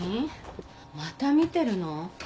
また見てるの？